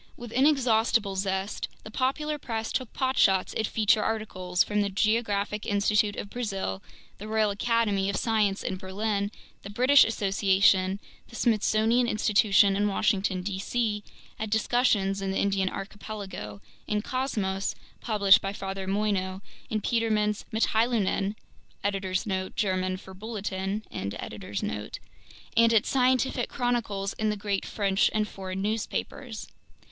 With inexhaustible zest, the popular press took potshots at feature articles from the Geographic Institute of Brazil, the Royal Academy of Science in Berlin, the British Association, the Smithsonian Institution in Washington, D.C., at discussions in The Indian Archipelago, in Cosmos published by Father Moigno, in Petermann's Mittheilungen,* and at scientific chronicles in the great French and foreign newspapers.